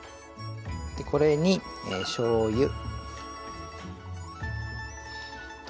これにしょうゆと。